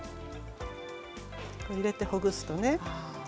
入れてほぐすとね。